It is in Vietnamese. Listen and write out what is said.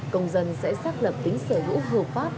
công dân sẽ xác lập tính sở hữu hợp pháp